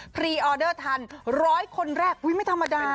รีออเดอร์ทันร้อยคนแรกอุ๊ยไม่ธรรมดา